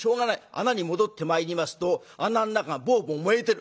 穴に戻ってまいりますと穴の中がボーボー燃えてる。